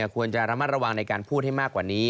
ควรจะระมัดระวังในการพูดให้มากกว่านี้